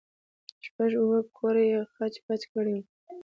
شپږ اوه كوره يې خچ پچ كړي وو.